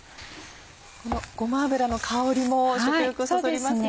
このごま油の香りも食欲をそそりますね。